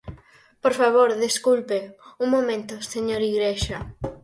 Por favor, desculpe un momento, señor Igrexa.